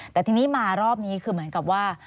แต่ทีนี้มารอบนี้คือเหมือนกับว่า